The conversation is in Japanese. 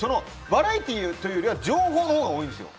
バラエティーというよりは情報のほうが多いんですよ。